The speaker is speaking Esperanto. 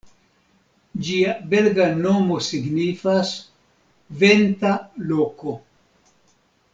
Ĝia belga nomo signifas: "venta loko".